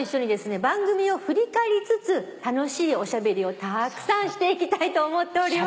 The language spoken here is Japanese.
番組を振り返りつつ楽しいおしゃべりをたーくさんしていきたいと思っております。